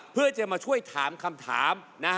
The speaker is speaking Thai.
เพื่อจะมาช่วยถามคำถาม